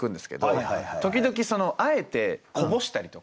時々あえてこぼしたりとか。